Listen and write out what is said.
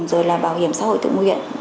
rồi là bảo hiểm xã hội tự nguyện